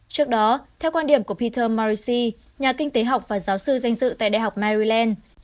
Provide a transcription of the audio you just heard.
trước đó theo quan điểm của peter mauric nhà kinh tế học và giáo sư danh dự tại đại học miland